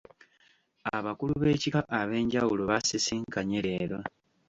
Abakulu b'ebika ab'enjawulo baasisinkanye leero.